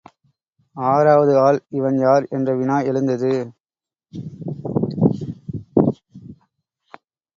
ஆறாவது ஆள் இவன் யார் என்ற வினா எழுந்தது.